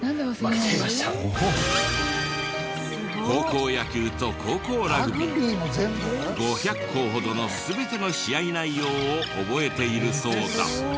高校野球と高校ラグビー５００校ほどの全ての試合内容を覚えているそうだ。